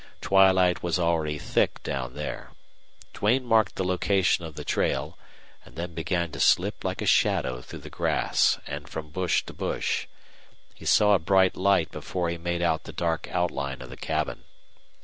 Twilight was already thick down there. Duane marked the location of the trail, and then began to slip like a shadow through the grass and from bush to bush. He saw a bright light before he made out the dark outline of the cabin.